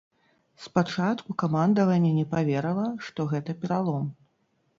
Спачатку камандаванне не паверыла, што гэта пералом.